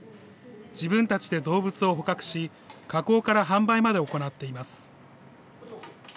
自分たちで動物を捕獲し、加工から販売まで行っています。